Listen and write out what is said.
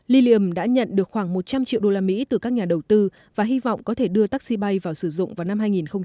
lilium đã nhận được khoảng một trăm linh triệu đô la mỹ từ các nhà đầu tư và hy vọng có thể đưa taxi bay vào sử dụng vào năm hai nghìn hai mươi năm